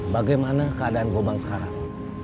bagaimana keadaan gopang sekarang